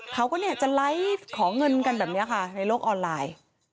เขาก็จะไลฟ์ขอเงินกันแบบนี้ค่ะในโลกออนไลน์